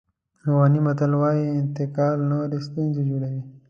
افغاني متل وایي انتقام نورې ستونزې جوړوي.